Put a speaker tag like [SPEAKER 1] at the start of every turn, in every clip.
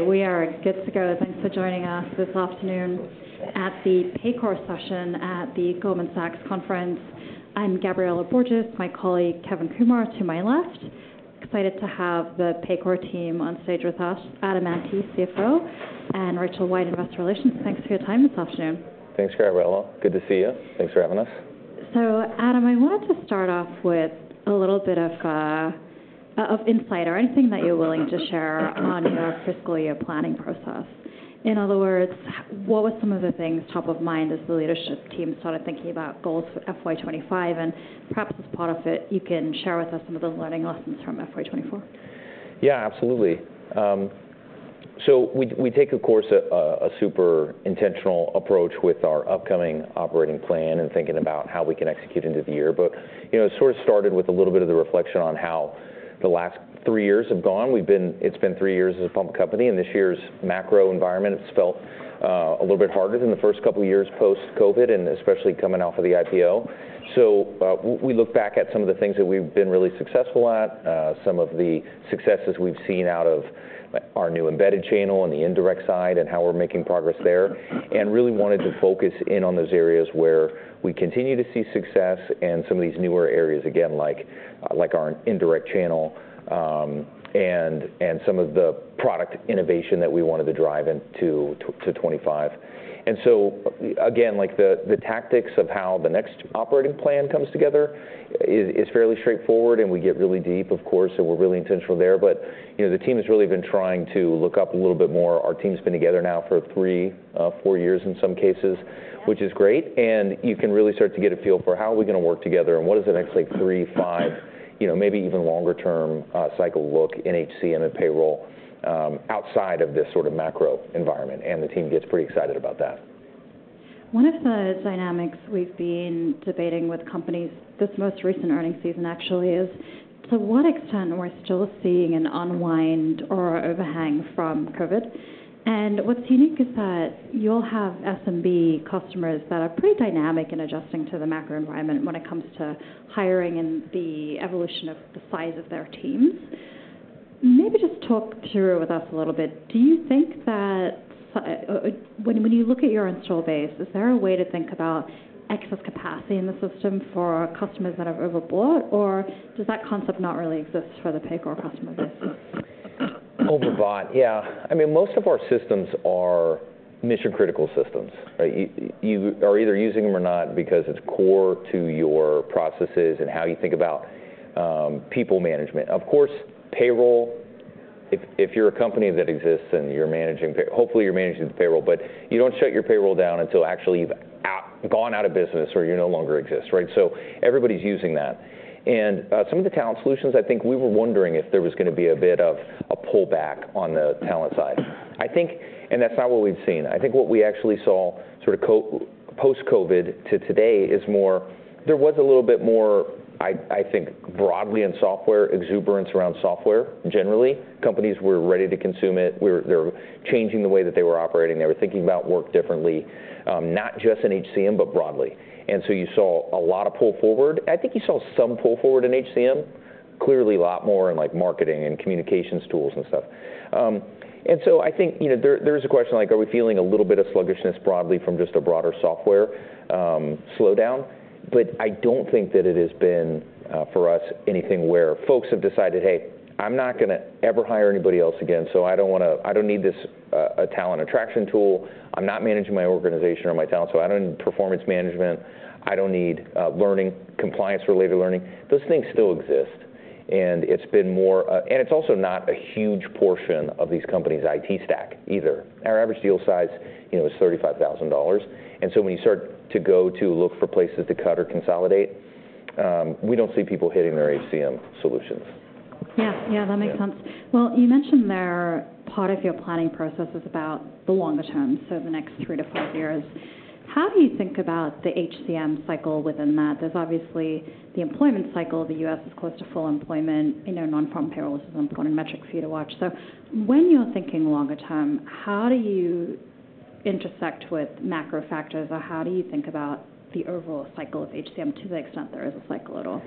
[SPEAKER 1] All right, we are good to go. Thanks for joining us this afternoon at the Paycor session at the Goldman Sachs conference. I'm Gabriela Borges, my colleague, Kevin Kumar, to my left. Excited to have the Paycor team on stage with us, Adam Ante, CFO, and Rachel White, Investor Relations. Thanks for your time this afternoon.
[SPEAKER 2] Thanks, Gabriela. Good to see you. Thanks for having us.
[SPEAKER 1] So Adam, I wanted to start off with a little bit of insight or anything that you're willing to share on your fiscal year planning process. In other words, what were some of the things top of mind as the leadership team started thinking about goals for FY 2025? And perhaps as part of it, you can share with us some of the learning lessons from FY 2024.
[SPEAKER 2] Yeah, absolutely. So we take, of course, a super intentional approach with our upcoming operating plan and thinking about how we can execute into the year. But, you know, it sort of started with a little bit of the reflection on how the last three years have gone. It's been three years as a public company, and this year's macro environment has felt a little bit harder than the first couple of years post-COVID, and especially coming off of the IPO. So, we look back at some of the things that we've been really successful at, some of the successes we've seen out of our new embedded channel and the indirect side, and how we're making progress there, and really wanted to focus in on those areas where we continue to see success and some of these newer areas, again, like our indirect channel, and some of the product innovation that we wanted to drive into to 2025. And so again, like, the tactics of how the next operating plan comes together is fairly straightforward, and we get really deep, of course, and we're really intentional there. But, you know, the team has really been trying to look up a little bit more. Our team's been together now for three, four years in some cases, which is great, and you can really start to get a feel for how are we gonna work together and what does the next, like, three, five, you know, maybe even longer-term, cycle look in HCM and in payroll, outside of this sort of macro environment, and the team gets pretty excited about that.
[SPEAKER 1] One of the dynamics we've been debating with companies, this most recent earnings season actually, is to what extent we're still seeing an unwind or overhang from COVID, and what's unique is that you'll have SMB customers that are pretty dynamic in adjusting to the macro environment when it comes to hiring and the evolution of the size of their teams. Maybe just talk through with us a little bit, do you think that, when you look at your install base, is there a way to think about excess capacity in the system for customers that have overbought, or does that concept not really exist for the Paycor customer base?
[SPEAKER 2] Overbought? Yeah. I mean, most of our systems are mission-critical systems, right? You are either using them or not because it's core to your processes and how you think about people management. Of course, payroll, if you're a company that exists and you're managing pay, hopefully you're managing the payroll, but you don't shut your payroll down until actually you've gone out of business or you no longer exist, right? So everybody's using that. And some of the talent solutions, I think we were wondering if there was gonna be a bit of a pullback on the talent side. I think. And that's not what we've seen. I think what we actually saw sort of post-COVID to today is more, there was a little bit more, I think, broadly in software, exuberance around software, generally. Companies were ready to consume it. They were changing the way that they were operating. They were thinking about work differently, not just in HCM, but broadly. And so you saw a lot of pull forward. I think you saw some pull forward in HCM, clearly a lot more in, like, marketing and communications tools and stuff. And so I think, you know, there is a question, like, are we feeling a little bit of sluggishness broadly from just a broader software slowdown? But I don't think that it has been, for us, anything where folks have decided, "Hey, I'm not gonna ever hire anybody else again, so I don't wanna I don't need this, a talent attraction tool. I'm not managing my organization or my talent, so I don't need performance management. I don't need learning, compliance-related learning." Those things still exist, and it's been more... And it's also not a huge portion of these companies' IT stack either. Our average deal size, you know, is $35,000, and so when you start to go to look for places to cut or consolidate, we don't see people hitting their HCM solutions.
[SPEAKER 1] Yeah. Yeah, that makes sense.
[SPEAKER 2] Yeah.
[SPEAKER 1] You mentioned there, part of your planning process is about the longer term, so the next three to five years. How do you think about the HCM cycle within that? There's obviously the employment cycle. The U.S. is close to full employment. You know, non-farm payrolls is an important metric for you to watch. So when you're thinking longer term, how do you intersect with macro factors, or how do you think about the overall cycle of HCM to the extent there is a cycle at all?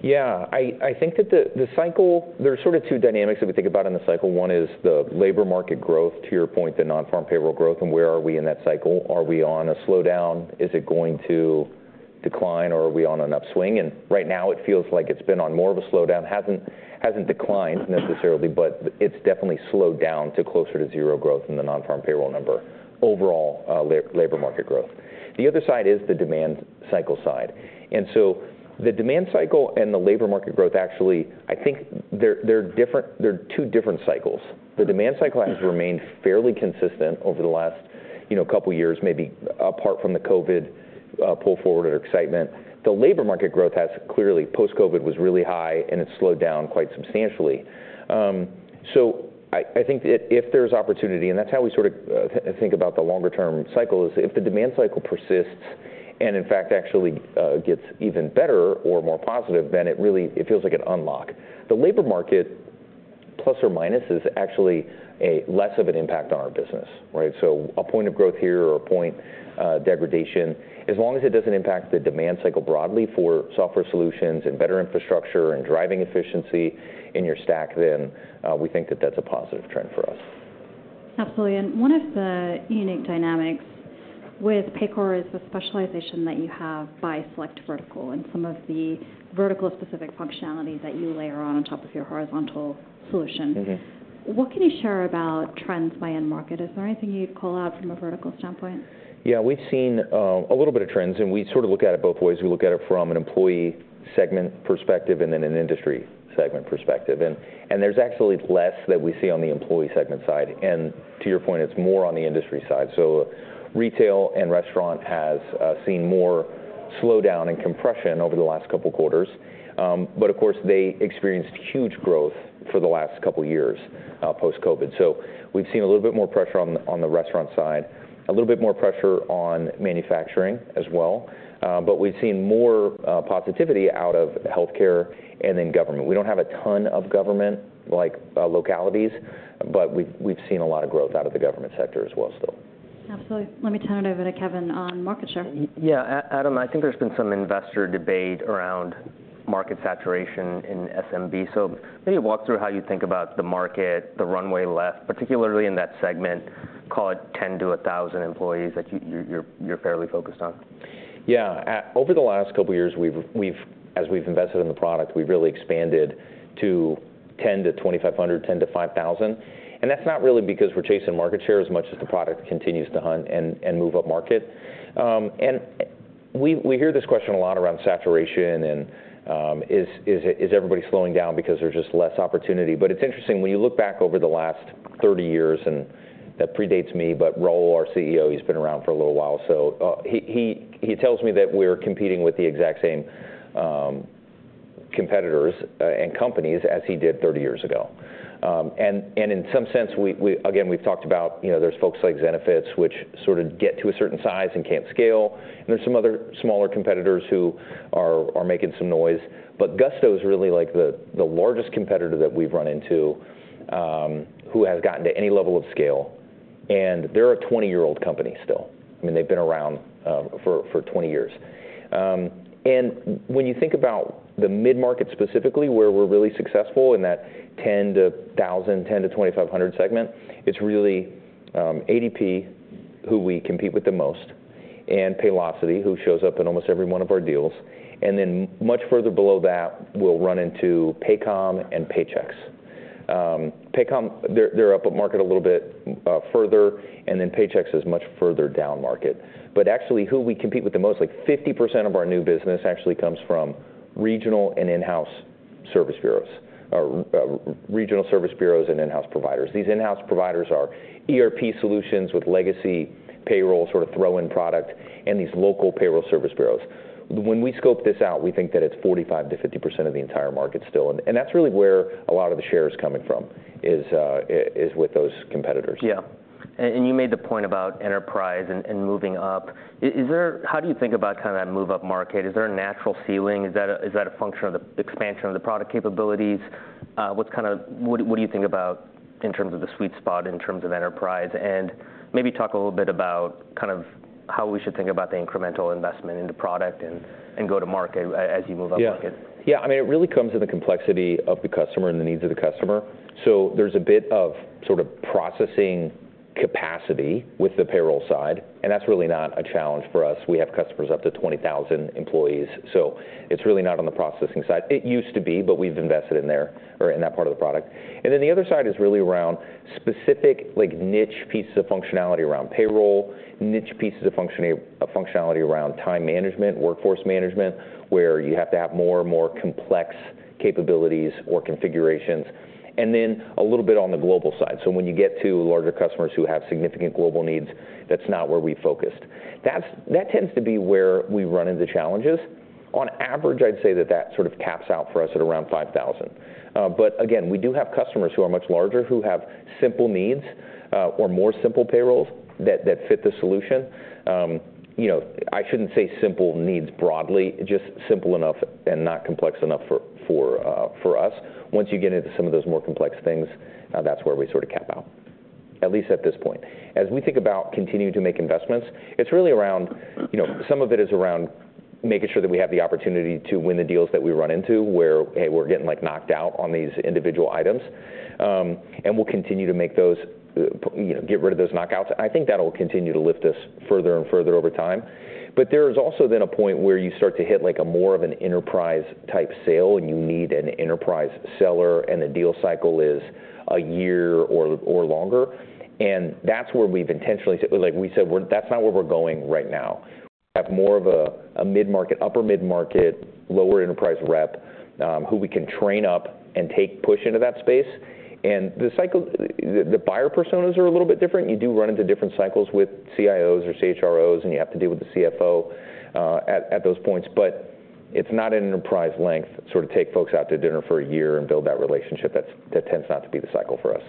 [SPEAKER 2] Yeah. I think that the cycle. There are sort of two dynamics that we think about in the cycle. One is the labor market growth, to your point, the non-farm payroll growth, and where are we in that cycle? Are we on a slowdown? Is it going to decline, or are we on an upswing, and right now, it feels like it's been on more of a slowdown. Hasn't declined necessarily, but it's definitely slowed down to closer to zero growth in the non-farm payroll number, overall, labor market growth. The other side is the demand cycle side, and so the demand cycle and the labor market growth, actually, I think they're different. They're two different cycles. The demand cycle has remained fairly consistent over the last, you know, couple of years, maybe apart from the COVID, pull forward or excitement. The labor market growth has clearly, post-COVID, was really high, and it's slowed down quite substantially. So I think if there's opportunity, and that's how we sort of think about the longer-term cycle, is if the demand cycle persists and in fact actually gets even better or more positive, then it really feels like an unlock. The labor market, plus or minus, is actually a less of an impact on our business, right? So a point of growth here or a point degradation, as long as it doesn't impact the demand cycle broadly for software solutions and better infrastructure and driving efficiency in your stack, then we think that that's a positive trend for us....
[SPEAKER 1] Absolutely, and one of the unique dynamics with Paycor is the specialization that you have by select vertical, and some of the vertical-specific functionality that you layer on top of your horizontal solution.
[SPEAKER 2] Mm-hmm.
[SPEAKER 1] What can you share about trends by end market? Is there anything you'd call out from a vertical standpoint?
[SPEAKER 2] Yeah, we've seen a little bit of trends, and we sort of look at it both ways. We look at it from an employee segment perspective, and then an industry segment perspective, and there's actually less that we see on the employee segment side, and to your point, it's more on the industry side, so retail and restaurant has seen more slowdown and compression over the last couple quarters, but of course, they experienced huge growth for the last couple years post-COVID, so we've seen a little bit more pressure on the restaurant side, a little bit more pressure on manufacturing as well, but we've seen more positivity out of healthcare and in government. We don't have a ton of government like localities, but we've seen a lot of growth out of the government sector as well, so.
[SPEAKER 1] Absolutely. Let me turn it over to Kevin on market share.
[SPEAKER 3] Yeah, Adam, I think there's been some investor debate around market saturation in SMB. So maybe walk through how you think about the market, the runway left, particularly in that segment, call it 10-1,000 employees, that you're fairly focused on.
[SPEAKER 2] Yeah. Over the last couple years, as we've invested in the product, we've really expanded to 10-2,500, 10-5,000. And that's not really because we're chasing market share as much as the product continues to hunt and move upmarket. And we hear this question a lot around saturation and is everybody slowing down because there's just less opportunity? But it's interesting, when you look back over the last 30 years, and that predates me, but Raul, our CEO, he's been around for a little while, so he tells me that we're competing with the exact same competitors and companies as he did 30 years ago. And in some sense, we... Again, we've talked about, you know, there's folks like Zenefits, which sort of get to a certain size and can't scale, and there's some other smaller competitors who are making some noise. But Gusto is really, like, the largest competitor that we've run into, who has gotten to any level of scale, and they're a 20-year-old company still. I mean, they've been around for 20 years. And when you think about the mid-market specifically, where we're really successful in that 10-1,000, 10-2,500 segment, it's really ADP, who we compete with the most, and Paylocity, who shows up in almost every one of our deals. And then much further below that, we'll run into Paycom and Paychex. Paycom, they're upmarket a little bit further, and then Paychex is much further downmarket. But actually, who we compete with the most, like, 50% of our new business actually comes from regional and in-house service bureaus, or regional service bureaus and in-house providers. These in-house providers are ERP solutions with legacy payroll, sort of, throw-in product, and these local payroll service bureaus. When we scoped this out, we think that it's 45%-50% of the entire market still, and that's really where a lot of the share is coming from, is with those competitors.
[SPEAKER 3] Yeah. And you made the point about enterprise and moving up. How do you think about kind of that move-up market? Is there a natural ceiling? Is that a function of the expansion of the product capabilities? What do you think about in terms of the sweet spot, in terms of enterprise? And maybe talk a little bit about kind of how we should think about the incremental investment in the product and go to market as you move upmarket.
[SPEAKER 2] Yeah. Yeah, I mean, it really comes with the complexity of the customer and the needs of the customer. So there's a bit of sort of processing capacity with the payroll side, and that's really not a challenge for us. We have customers up to 20,000 employees, so it's really not on the processing side. It used to be, but we've invested in there, or in that part of the product. And then the other side is really around specific, like, niche pieces of functionality around payroll, niche pieces of functionality around time management, workforce management, where you have to have more and more complex capabilities or configurations, and then a little bit on the global side. So when you get to larger customers who have significant global needs, that's not where we've focused. That tends to be where we run into challenges. On average, I'd say that sort of caps out for us at around five thousand. But again, we do have customers who are much larger, who have simple needs, or more simple payrolls that fit the solution. You know, I shouldn't say simple needs broadly, just simple enough and not complex enough for us. Once you get into some of those more complex things, that's where we sort of cap out, at least at this point. As we think about continuing to make investments, it's really around you know, some of it is around making sure that we have the opportunity to win the deals that we run into, where, hey, we're getting, like, knocked out on these individual items. And we'll continue to make those, you know, get rid of those knockouts. I think that'll continue to lift us further and further over time, but there's also then a point where you start to hit, like, a more of an enterprise-type sale, and you need an enterprise seller, and the deal cycle is a year or longer and that's where we've intentionally... Like we said, that's not where we're going right now. We have more of a mid-market, upper mid-market, lower enterprise rep who we can train up and push into that space, and the cycle, the buyer personas are a little bit different. You do run into different cycles with CIOs or CHROs, and you have to deal with the CFO at those points, but it's not an enterprise length, sort of, take folks out to dinner for a year and build that relationship. That tends not to be the cycle for us.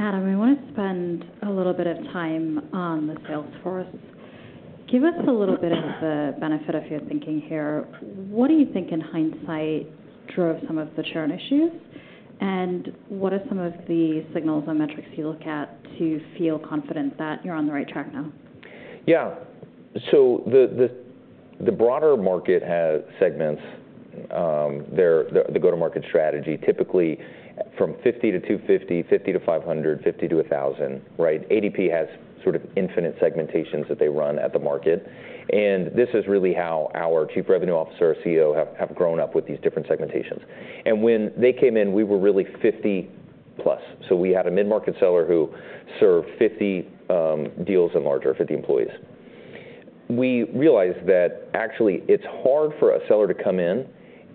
[SPEAKER 1] Adam, I want to spend a little bit of time on the sales force. Give us a little bit of the benefit of your thinking here. What do you think, in hindsight, drove some of the churn issues, and what are some of the signals and metrics you look at to feel confident that you're on the right track now?
[SPEAKER 2] Yeah. So the broader market has segments. Their go-to-market strategy, typically from fifty to two fifty, fifty to five hundred, fifty to a thousand, right? ADP has sort of infinite segmentations that they run at the market, and this is really how our Chief Revenue Officer, our CEO, have grown up with these different segmentations. And when they came in, we were really fifty plus. So we had a mid-market seller who served fifty deals and larger, fifty employees. We realized that actually it's hard for a seller to come in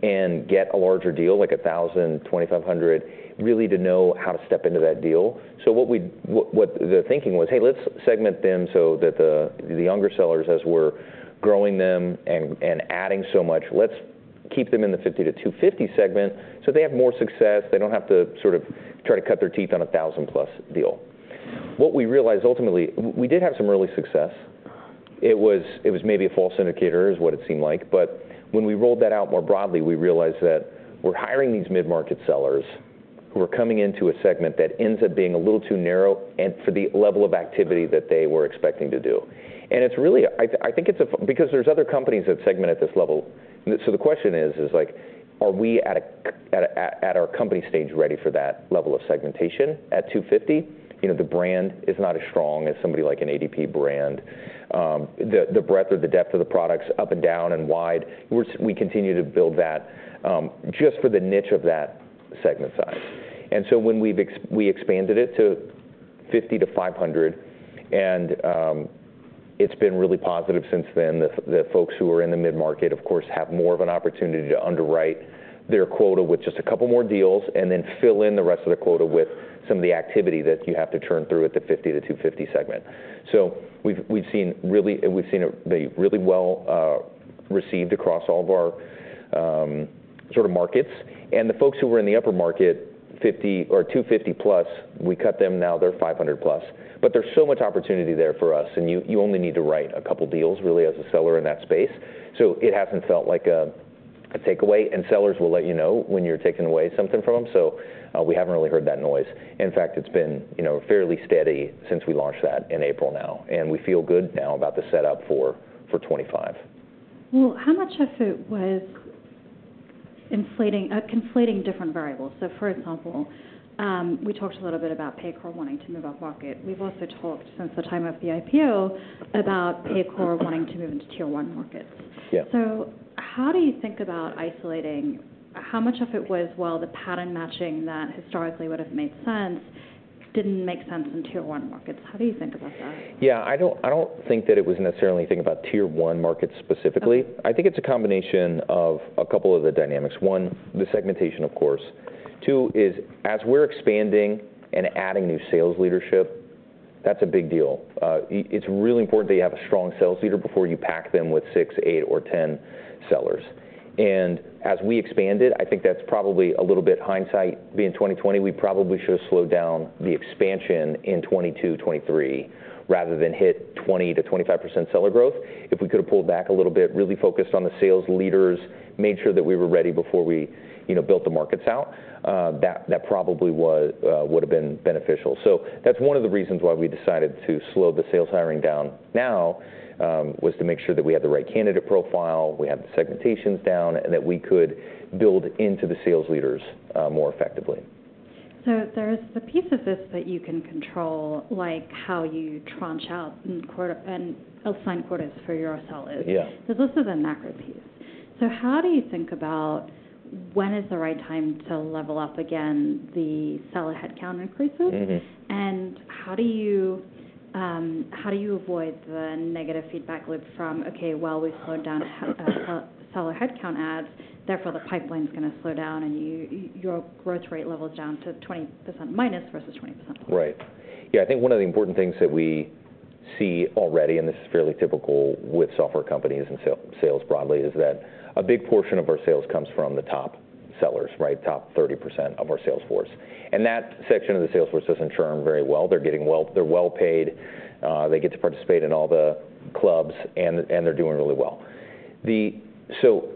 [SPEAKER 2] and get a larger deal, like a thousand, 2,500, really to know how to step into that deal. What the thinking was, "Hey, let's segment them so that the younger sellers, as we're growing them and adding so much, let's keep them in the 50-250 segment, so they have more success. They don't have to sort of try to cut their teeth on a 1,000-plus deal." What we realized, ultimately, we did have some early success. It was maybe a false indicator, is what it seemed like. But when we rolled that out more broadly, we realized that we're hiring these mid-market sellers who are coming into a segment that ends up being a little too narrow and for the level of activity that they were expecting to do. It's really... I think it's because there's other companies that segment at this level. So the question is, like, are we at our company stage ready for that level of segmentation at 250? You know, the brand is not as strong as somebody like an ADP brand. The breadth or the depth of the products up and down and wide, we continue to build that just for the niche of that segment size. And so when we've expanded it to 50 to 500, and it's been really positive since then. The folks who are in the mid-market, of course, have more of an opportunity to underwrite their quota with just a couple more deals, and then fill in the rest of the quota with some of the activity that you have to churn through at the 50 to 250 segment. So we've seen it really well received across all of our sort of markets. And the folks who were in the upper market, fifty or two fifty plus, we cut them, now they're five hundred plus. But there's so much opportunity there for us, and you only need to write a couple deals, really, as a seller in that space. So it hasn't felt like a takeaway, and sellers will let you know when you're taking away something from them, so we haven't really heard that noise. In fact, it's been, you know, fairly steady since we launched that in April now, and we feel good now about the setup for 2025.
[SPEAKER 1] How much of it was inflating, conflating different variables? So, for example, we talked a little bit about Paycor wanting to move upmarket. We've also talked since the time of the IPO about Paycor wanting to move into Tier One markets.
[SPEAKER 2] Yeah.
[SPEAKER 1] So how do you think about isolating? How much of it was, well, the pattern matching that historically would have made sense, didn't make sense in Tier One markets? How do you think about that?
[SPEAKER 2] Yeah, I don't, I don't think that it was necessarily anything about Tier One markets specifically.
[SPEAKER 1] Uh.
[SPEAKER 2] I think it's a combination of a couple of the dynamics. One, the segmentation, of course. Two is, as we're expanding and adding new sales leadership, that's a big deal. It's really important that you have a strong sales leader before you pack them with six, eight, or 10 sellers. And as we expanded, I think that's probably a little bit hindsight being 20/20. We probably should have slowed down the expansion in 2022, 2023, rather than hit 20%-25% seller growth. If we could have pulled back a little bit, really focused on the sales leaders, made sure that we were ready before we, you know, built the markets out, that probably was, would've been beneficial. So that's one of the reasons why we decided to slow the sales hiring down now, was to make sure that we had the right candidate profile, we had the segmentations down, and that we could build into the sales leaders, more effectively.
[SPEAKER 1] So there's the piece of this that you can control, like how you tranche out in quarter and assign quotas for your sellers.
[SPEAKER 2] Yeah.
[SPEAKER 1] This is a macro piece. How do you think about when is the right time to level up again, the seller headcount increases?
[SPEAKER 2] Mm-hmm.
[SPEAKER 1] And how do you avoid the negative feedback loop from, "Okay, well, we've slowed down seller headcount adds, therefore, the pipeline's gonna slow down, and you your growth rate levels down to 20% minus versus 20%.
[SPEAKER 2] Right. Yeah, I think one of the important things that we see already, and this is fairly typical with software companies and sales broadly, is that a big portion of our sales comes from the top sellers, right? Top 30% of our sales force. And that section of the sales force doesn't churn very well. They're well paid, they get to participate in all the clubs, and they're doing really well. So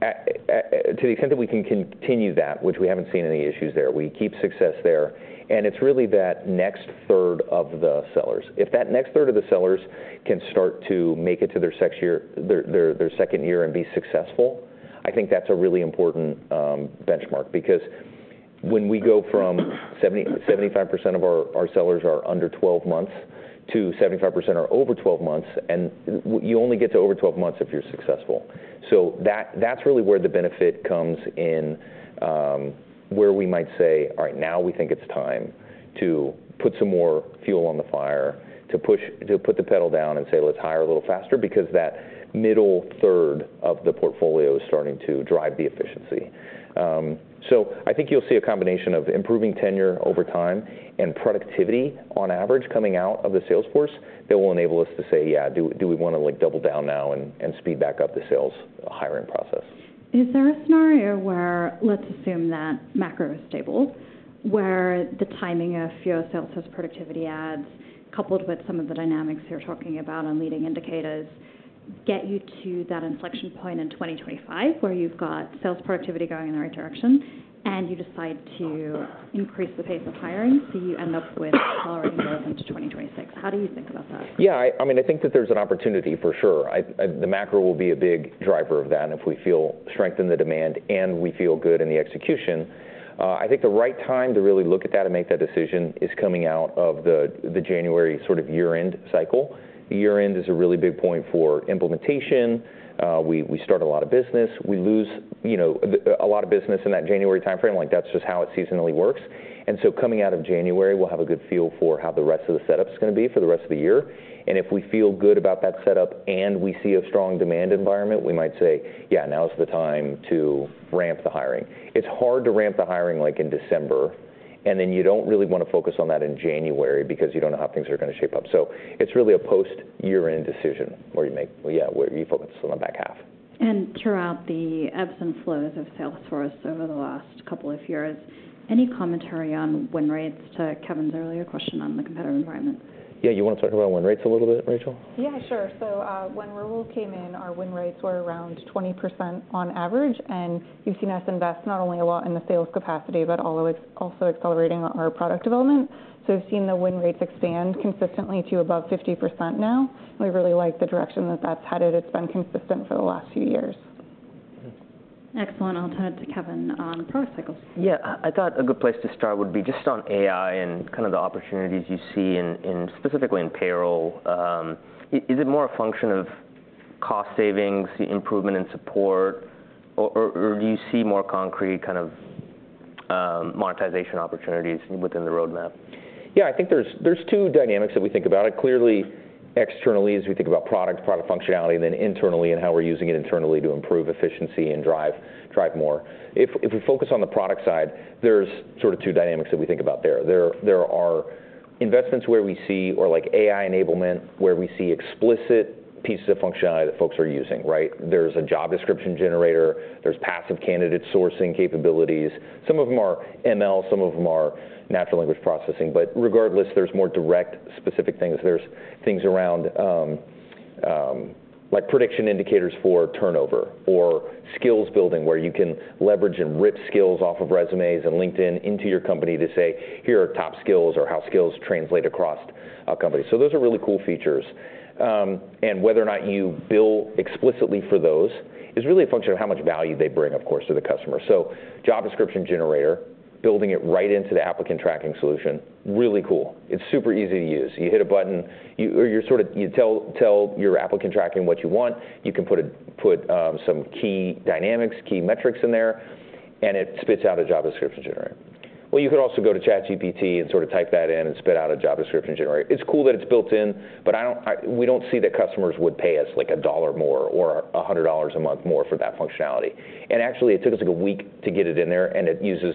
[SPEAKER 2] to the extent that we can continue that, which we haven't seen any issues there, we keep success there, and it's really that next third of the sellers. If that next third of the sellers can start to make it to their second year and be successful, I think that's a really important benchmark. Because when we go from... Seventy, 75% of our sellers are under 12 months to 75% are over 12 months, and you only get to over 12 months if you're successful. So that, that's really where the benefit comes in, where we might say, "All right, now we think it's time to put some more fuel on the fire, to put the pedal down and say let's hire a little faster," because that middle third of the portfolio is starting to drive the efficiency. So I think you'll see a combination of improving tenure over time and productivity on average, coming out of the sales force, that will enable us to say, "Yeah, do we wanna, like, double down now and speed back up the sales hiring process?
[SPEAKER 1] Is there a scenario where, let's assume that macro is stable, where the timing of fewer sales has productivity adds, coupled with some of the dynamics you're talking about on leading indicators, get you to that inflection point in 2025, where you've got sales productivity going in the right direction, and you decide to increase the pace of hiring, so you end up with acceleration into 2026? How do you think about that?
[SPEAKER 2] Yeah, I mean, I think that there's an opportunity, for sure. The macro will be a big driver of that, and if we feel strength in the demand, and we feel good in the execution, I think the right time to really look at that and make that decision is coming out of the January sort of year-end cycle. Year-end is a really big point for implementation. We start a lot of business. We lose, you know, a lot of business in that January timeframe, like, that's just how it seasonally works. And so coming out of January, we'll have a good feel for how the rest of the setup's gonna be for the rest of the year. If we feel good about that setup, and we see a strong demand environment, we might say, "Yeah, now's the time to ramp the hiring." It's hard to ramp the hiring, like, in December, and then you don't really wanna focus on that in January because you don't know how things are gonna shape up. It's really a post-year-end decision where you make... Well, yeah, where you focus on the back half.
[SPEAKER 1] And throughout the ebbs and flows of sales force over the last couple of years, any commentary on win rates, to Kevin's earlier question on the competitive environment?
[SPEAKER 2] Yeah, you wanna talk about win rates a little bit, Rachel?
[SPEAKER 4] Yeah, sure. So when Raul came in, our win rates were around 20% on average, and you've seen us invest not only a lot in the sales capacity, but also accelerating our product development. So we've seen the win rates expand consistently to above 50% now. We really like the direction that that's headed. It's been consistent for the last few years.
[SPEAKER 2] Mm-hmm.
[SPEAKER 1] Excellent. I'll turn it to Kevin on product cycles.
[SPEAKER 3] Yeah, I thought a good place to start would be just on AI and kind of the opportunities you see in specifically in payroll. Is it more a function of cost savings, the improvement in support, or do you see more concrete kind of monetization opportunities within the roadmap?
[SPEAKER 2] Yeah, I think there's two dynamics that we think about. Clearly, externally, as we think about product functionality, and then internally, and how we're using it internally to improve efficiency and drive more. If we focus on the product side, there's sort of two dynamics that we think about there. There are investments where we see... or like AI enablement, where we see explicit pieces of functionality that folks are using, right? There's a job description generator, there's passive candidate sourcing capabilities. Some of them are ML, some of them are natural language processing, but regardless, there's more direct, specific things. There's things around, like prediction indicators for turnover or skills building, where you can leverage and rip skills off of resumes and LinkedIn into your company to say, "Here are top skills or how skills translate across our company." So those are really cool features, and whether or not you bill explicitly for those is really a function of how much value they bring, of course, to the customer. So job description generator, building it right into the applicant tracking solution, really cool. It's super easy to use. You hit a button, or you sort of tell your applicant tracking what you want. You can put some key dynamics, key metrics in there, and it spits out a job description generator. Well, you could also go to ChatGPT and sort of type that in and spit out a job description generator. It's cool that it's built in, but I don't, we don't see that customers would pay us, like, $1 more or $100 a month more for that functionality. And actually, it took us, like, a week to get it in there, and it uses,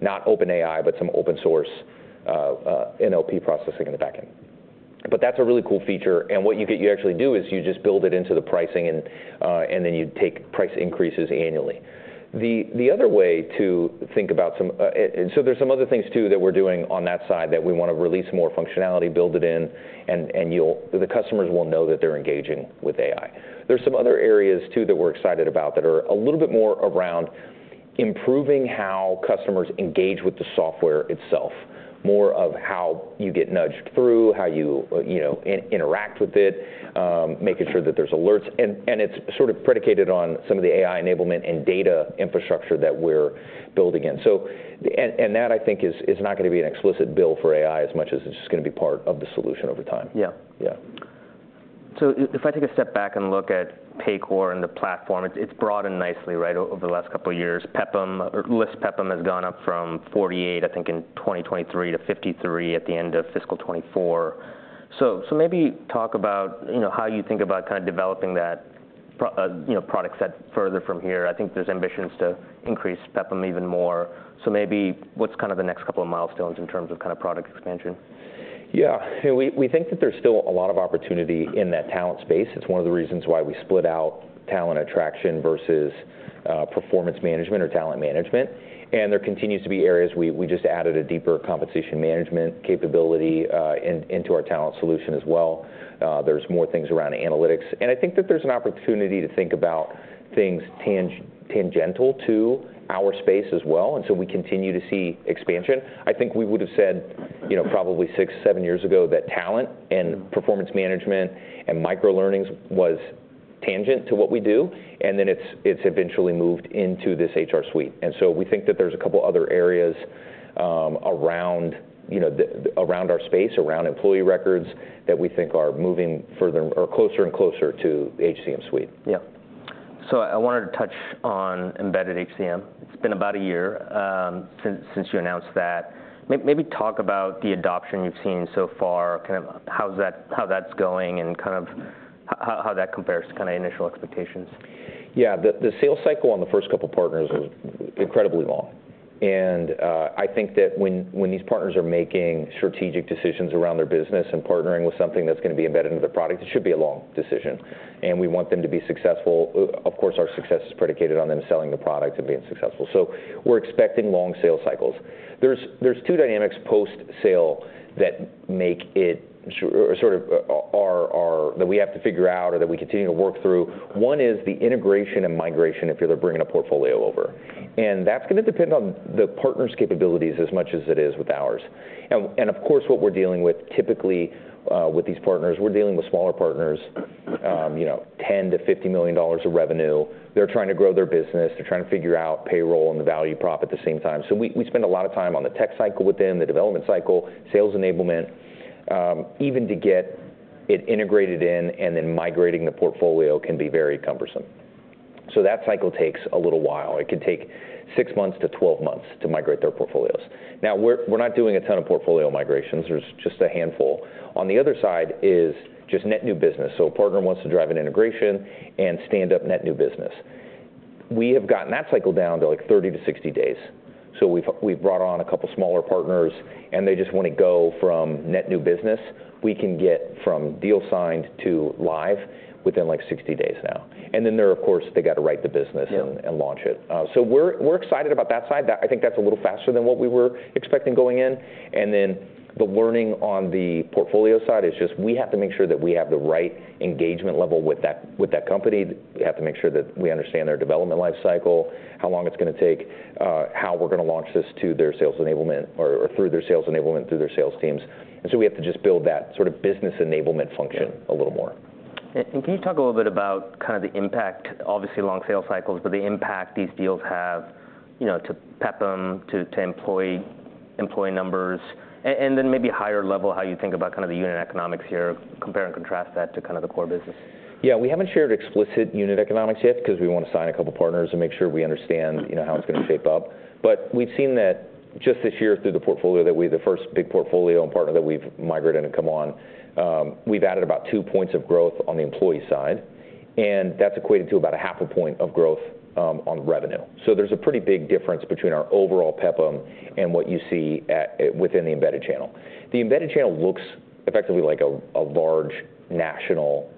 [SPEAKER 2] not OpenAI, but some open source, NLP processing in the back end. But that's a really cool feature, and what you get, you actually do, is you just build it into the pricing, and then you take price increases annually. The other way to think about some. And so there's some other things, too, that we're doing on that side, that we wanna release more functionality, build it in, and the customers will know that they're engaging with AI. There's some other areas, too, that we're excited about, that are a little bit more around improving how customers engage with the software itself, more of how you get nudged through, how you, you know, interact with it, making sure that there's alerts. And it's sort of predicated on some of the AI enablement and data infrastructure that we're building in. And that, I think, is not gonna be an explicit bill for AI, as much as it's just gonna be part of the solution over time.
[SPEAKER 3] Yeah.
[SPEAKER 2] Yeah.
[SPEAKER 3] So if I take a step back and look at Paycor and the platform, it's broadened nicely, right, over the last couple of years. PEPM, or list PEPM, has gone up from 48, I think, in 2023, to 53 at the end of fiscal 2024. So maybe talk about, you know, how you think about kind of developing that, you know, product set further from here. I think there's ambitions to increase PEPM even more. So maybe what's kind of the next couple of milestones in terms of kind of product expansion?
[SPEAKER 2] Yeah. We think that there's still a lot of opportunity in that talent space. It's one of the reasons why we split out talent attraction versus performance management or talent management. And there continues to be areas. We just added a deeper compensation management capability into our talent solution as well. There's more things around analytics. And I think that there's an opportunity to think about things tangential to our space as well, and so we continue to see expansion. I think we would've said, you know, probably six, seven years ago, that talent and performance management and micro-learnings was tangent to what we do, and then it's eventually moved into this HR suite. And so we think that there's a couple other areas, around, you know, the, around our space, around employee records, that we think are moving further, or closer and closer to HCM suite.
[SPEAKER 3] Yeah. So I wanted to touch on embedded HCM. It's been about a year since you announced that. Maybe talk about the adoption you've seen so far, kind of how that's going, and kind of how that compares to kind of initial expectations.
[SPEAKER 2] Yeah. The sales cycle on the first couple partners was incredibly long, and I think that when these partners are making strategic decisions around their business and partnering with something that's gonna be embedded into their product, it should be a long decision, and we want them to be successful. Of course, our success is predicated on them selling the product and being successful. So we're expecting long sales cycles. There's two dynamics post-sale that make it sort of that we have to figure out or that we continue to work through. One is the integration and migration if you're bringing a portfolio over, and that's gonna depend on the partner's capabilities as much as it is with ours. Of course, what we're dealing with, typically, with these partners, we're dealing with smaller partners, you know, $10 million-$50 million of revenue. They're trying to grow their business. They're trying to figure out payroll and the value prop at the same time. We spend a lot of time on the tech cycle with them, the development cycle, sales enablement, even to get it integrated in and then migrating the portfolio can be very cumbersome. That cycle takes a little while. It could take six months to 12 months to migrate their portfolios. Now, we're not doing a ton of portfolio migrations. There's just a handful. On the other side is just net new business, so a partner wants to drive an integration and stand up net new business. We have gotten that cycle down to, like, 30-60 days, so we've, we've brought on a couple smaller partners, and they just want to go from net new business. We can get from deal signed to live within, like, 60 days now, and then they're, of course, they've got to write the business.
[SPEAKER 3] Yeah.
[SPEAKER 2] - and launch it. So we're excited about that side. That I think that's a little faster than what we were expecting going in, and then the learning on the portfolio side is just, we have to make sure that we have the right engagement level with that company. We have to make sure that we understand their development life cycle, how long it's gonna take, how we're gonna launch this to their sales enablement or through their sales enablement, through their sales teams. And so we have to just build that sort of business enablement function-
[SPEAKER 3] Yeah.
[SPEAKER 2] a little more.
[SPEAKER 3] And can you talk a little bit about kind of the impact, obviously, long sales cycles, but the impact these deals have, you know, to PEPM, to employee numbers, and then maybe higher level, how you think about kind of the unit economics here, compare and contrast that to kind of the core business?
[SPEAKER 2] Yeah, we haven't shared explicit unit economics yet, 'cause we wanna sign a couple partners and make sure we understand, you know, how it's gonna shape up. But we've seen that just this year, through the portfolio, that with the first big portfolio and partner that we've migrated and come on, we've added about two points of growth on the employee side, and that's equated to about a half a point of growth on revenue. So there's a pretty big difference between our overall PEPM and what you see within the embedded channel. The embedded channel looks effectively like a large national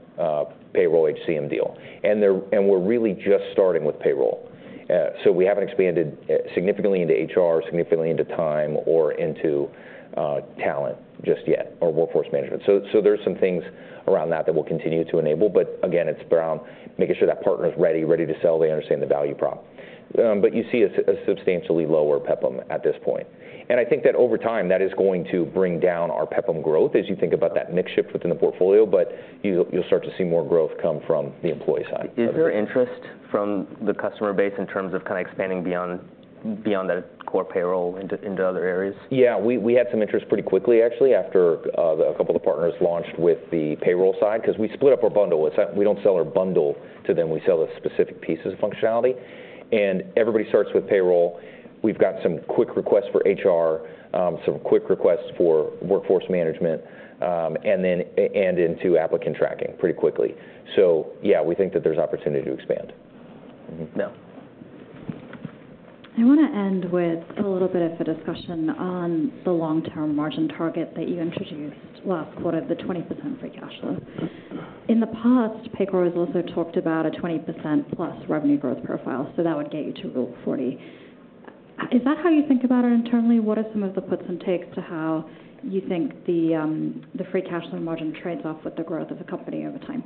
[SPEAKER 2] payroll HCM deal, and we're really just starting with payroll. So we haven't expanded significantly into HR, significantly into time, or into talent just yet, or workforce management. There's some things around that that we'll continue to enable, but again, it's around making sure that partner is ready to sell. They understand the value prop. But you see a substantially lower PEPM at this point. I think that over time, that is going to bring down our PEPM growth, as you think about that mix shift within the portfolio, but you'll start to see more growth come from the employee side.
[SPEAKER 3] Is there interest from the customer base in terms of kind of expanding beyond that core payroll into other areas?
[SPEAKER 2] Yeah, we had some interest pretty quickly, actually, after a couple of the partners launched with the payroll side, 'cause we split up our bundle. We don't sell our bundle to them. We sell the specific pieces of functionality, and everybody starts with payroll. We've got some quick requests for HR, some quick requests for workforce management, and then into applicant tracking pretty quickly. So yeah, we think that there's opportunity to expand.
[SPEAKER 3] Mm-hmm. Now-
[SPEAKER 1] I wanna end with a little bit of a discussion on the long-term margin target that you introduced last quarter, the 20% free cash flow. In the past, Paycor has also talked about a 20% plus revenue growth profile, so that would get you to Rule of 40. Is that how you think about it internally? What are some of the puts and takes to how you think the free cash flow margin trades off with the growth of the company over time?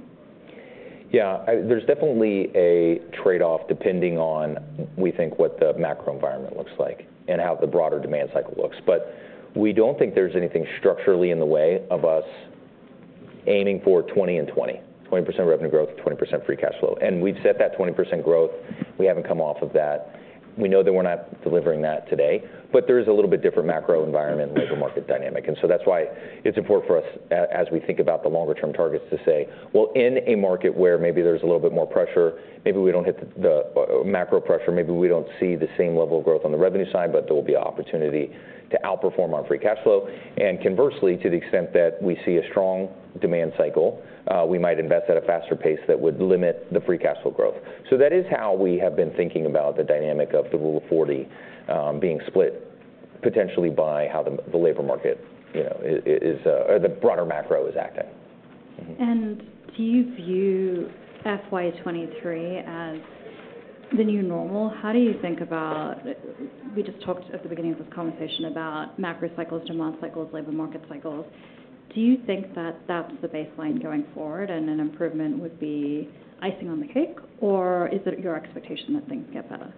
[SPEAKER 2] Yeah, there's definitely a trade-off, depending on, we think, what the macro environment looks like and how the broader demand cycle looks. But we don't think there's anything structurally in the way of us aiming for 20 in 2025, 20% revenue growth, 20% free cash flow. And we've set that 20% growth, we haven't come off of that. We know that we're not delivering that today, but there is a little bit different macro environment and labor market dynamic. And so that's why it's important for us, as we think about the longer-term targets, to say, well, in a market where maybe there's a little bit more pressure, maybe we don't hit the macro pressure, maybe we don't see the same level of growth on the revenue side, but there will be an opportunity to outperform our free cash flow. And conversely, to the extent that we see a strong demand cycle, we might invest at a faster pace that would limit the free cash flow growth. So that is how we have been thinking about the dynamic of the Rule of 40, being split potentially by how the labor market, you know, is or the broader macro is acting.
[SPEAKER 1] Mm-hmm. And do you view FY 2023 as the new normal? How do you think about... We just talked at the beginning of this conversation about macro cycles, demand cycles, labor market cycles. Do you think that that's the baseline going forward, and an improvement would be icing on the cake, or is it your expectation that things get better?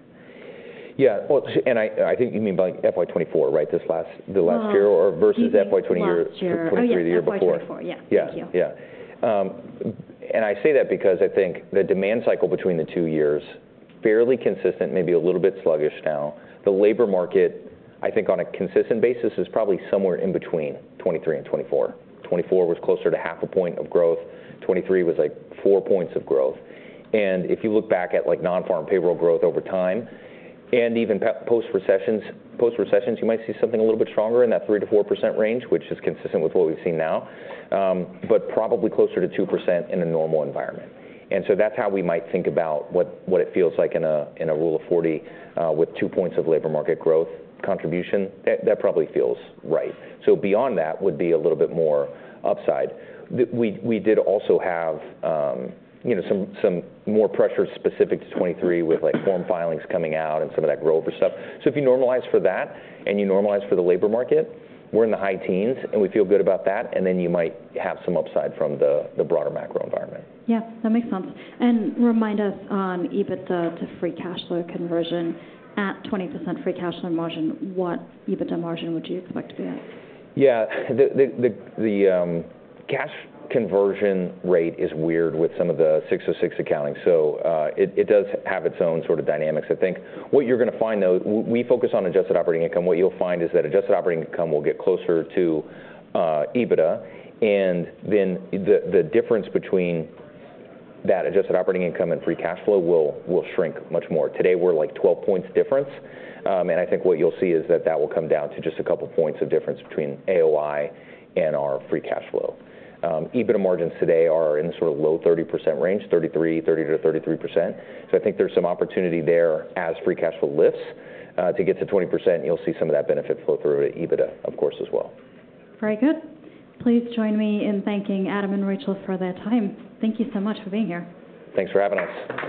[SPEAKER 2] Yeah, well, and I, I think you mean by FY 2024, right? This last year or versus FY twenty year-
[SPEAKER 1] Last year.
[SPEAKER 2] 2023, the year before.
[SPEAKER 1] Oh, yeah, FY 2024. Yeah.
[SPEAKER 2] Yeah.
[SPEAKER 1] Thank you.
[SPEAKER 2] Yeah. And I say that because I think the demand cycle between the two years, fairly consistent, maybe a little bit sluggish now. The labor market, I think, on a consistent basis, is probably somewhere in between 2023 and 2024. 2024 was closer to half a point of growth, 2023 was, like, four points of growth. And if you look back at, like, non-farm payroll growth over time, and even post-recessions, you might see something a little bit stronger in that 3%-4% range, which is consistent with what we've seen now, but probably closer to 2% in a normal environment. And so that's how we might think about what, what it feels like in a, in a Rule of 40, with two points of labor market growth contribution. That, that probably feels right. So beyond that would be a little bit more upside. We did also have, you know, some more pressure specific to 2023, with, like, form filings coming out and some of that Grove stuff. So if you normalize for that and you normalize for the labor market, we're in the high teens, and we feel good about that, and then you might have some upside from the broader macro environment.
[SPEAKER 1] Yeah, that makes sense, and remind us on EBITDA to free cash flow conversion. At 20% free cash flow margin, what EBITDA margin would you expect to be at?
[SPEAKER 2] Yeah. The cash conversion rate is weird with some of the 606 accounting, so it does have its own sort of dynamics. I think what you're gonna find, though. We focus on adjusted operating income. What you'll find is that adjusted operating income will get closer to EBITDA, and then the difference between that adjusted operating income and free cash flow will shrink much more. Today, we're like 12 points difference, and I think what you'll see is that that will come down to just a couple points of difference between AOI and our free cash flow. EBITDA margins today are in the sort of low 30% range, 33%, 30% to 33%. So I think there's some opportunity there as free cash flow lifts. To get to 20%, you'll see some of that benefit flow through to EBITDA, of course, as well.
[SPEAKER 1] Very good. Please join me in thanking Adam and Rachel for their time. Thank you so much for being here.
[SPEAKER 2] Thanks for having us.